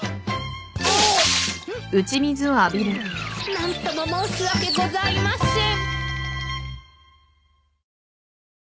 何とも申し訳ございません。